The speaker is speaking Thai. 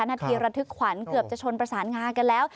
นาทีระทึกขวัญเกือบจะชนประสานงากันแล้ว